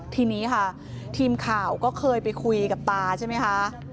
ทีนี้ค่ะทีมข่าวก็เคยไปคุยกับตาใช่ไหมคะ